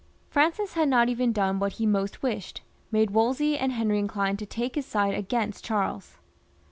Francis had not even done what he most wished, made Wolsey and Henry inclined to take his side against Charles.